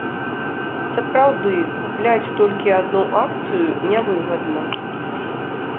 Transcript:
Сапраўды, купляць толькі адну акцыю нявыгадна.